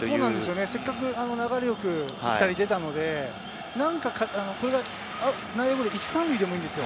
せっかく流れよく２人出たので、内野ゴロ１・３塁でもいいんですよ。